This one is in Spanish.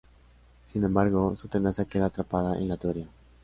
Sin embargo, su tenaza queda atrapada en la tubería.